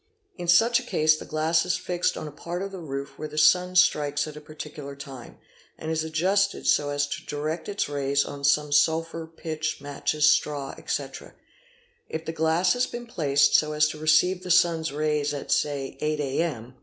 In such a case the glass is fixed on a part of the roof where the sun strikes at a particular time, and is adjusted so as to direct its rays on some sulphur, pitch, matches, straw, etc. If the glass has been placed so as to receive the sun's rays at say 8 a.m.